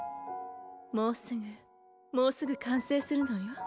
もうすぐもうすぐ完成するのよ。